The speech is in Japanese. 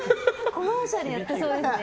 コマーシャルやってそうですね。